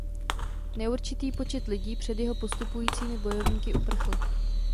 Neurčitý počet lidí před jeho postupujícími bojovníky uprchl.